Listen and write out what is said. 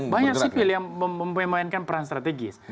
banyak sipil yang memainkan peran strategis